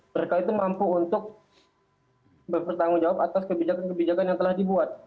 mereka itu mampu untuk bertanggung jawab atas kebijakan kebijakan yang telah dibuat